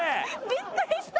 びっくりした。